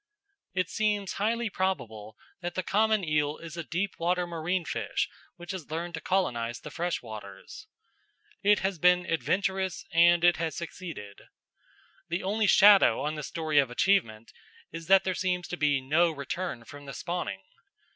It seems highly probable that the common eel is a deep water marine fish which has learned to colonise the freshwaters. It has been adventurous and it has succeeded. The only shadow on the story of achievement is that there seems to be no return from the spawning.